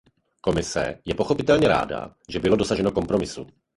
Komise je pochopitelně ráda, že bylo dosaženo kompromisu.